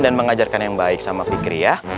dan mengajarkan yang baik sama fikri ya